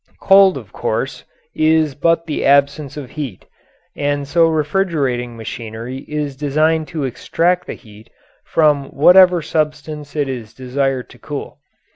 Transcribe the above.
] Cold, of course, is but the absence of heat, and so refrigerating machinery is designed to extract the heat from whatever substance it is desired to cool.